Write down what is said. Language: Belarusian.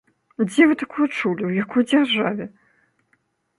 Дзе вы такое чулі, у якой дзяржаве?